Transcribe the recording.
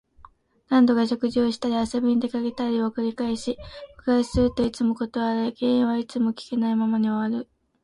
何度か食事をしたり、遊びに出かけたりを繰り返し、告白するといつも断られ、原因はいつも聞けないまま終わる。